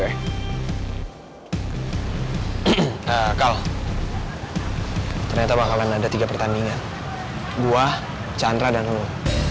ehm kal ternyata bakalan ada tiga pertandingan gue chandra dan lo